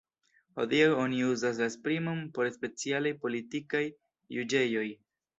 Hodiaŭ oni uzas la esprimon por specialaj politikaj juĝejoj.